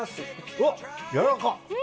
うわ、やわらかっ！